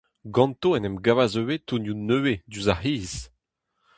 Ganto en em gavas ivez tonioù nevez diouzh ar c'hiz.